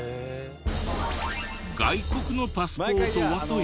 外国のパスポートはというと。